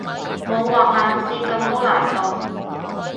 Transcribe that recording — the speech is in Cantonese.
冇畫眼線咁高難度